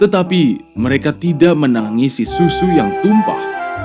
tetapi mereka tidak menangisi susu yang tumpah